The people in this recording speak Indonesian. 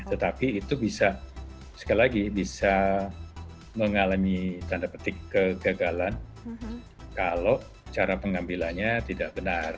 tetapi itu bisa sekali lagi bisa mengalami tanda petik kegagalan kalau cara pengambilannya tidak benar